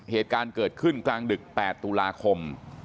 เหตุการณ์เกิดขึ้นกลางดึก๘ตุลาคม